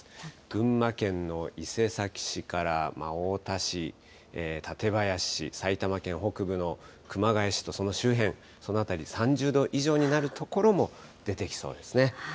群馬県の伊勢崎市から太田市、館林市、埼玉県北部の熊谷市とその周辺、その辺り３０度以上になる所も出てきそうですね。